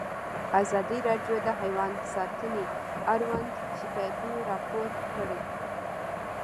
ازادي راډیو د حیوان ساتنه اړوند شکایتونه راپور کړي.